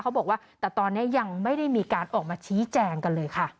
เขาบอกว่าแต่ตอนนี้ยังไม่ได้มีการออกมาชี้แจงกันเลยค่ะ